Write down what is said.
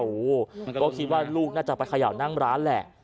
โอ้โหก็คิดว่าลูกน่าจะไปเขย่านั่งร้านแหละ